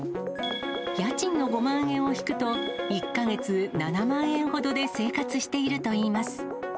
家賃の５万円を引くと、１か月７万円ほどで生活しているといいます。